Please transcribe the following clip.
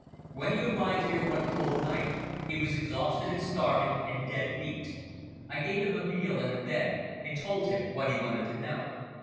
When he arrived here one cold night, he was exhausted and starving and dead beat. I gave him a meal and a bed, and told him what he wanted to know.